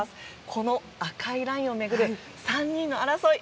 この赤いラインを巡る３人の争い。